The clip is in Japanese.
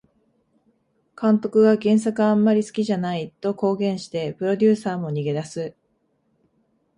監督が原作あんまり好きじゃないと公言してプロデューサーも逃げ出す